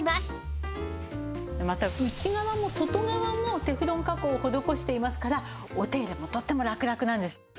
また内側も外側もテフロン加工を施していますからお手入れもとてもラクラクなんです。